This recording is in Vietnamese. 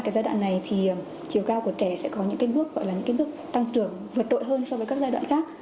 ba giai đoạn này thì chiều cao của trẻ sẽ có những bước tăng trưởng vượt đội hơn so với các giai đoạn khác